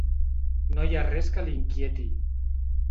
No hi ha res que l’inquieti.